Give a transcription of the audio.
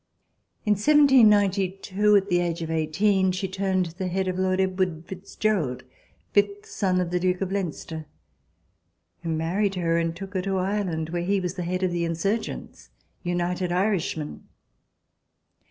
In 1792, at the age of eighteen, she turned the head of Lord Edward Fitz Gerald, fifth son of the Duke of Leinster, who married her and took her to Ireland, where he was head of the insurgents — "United Irishmen."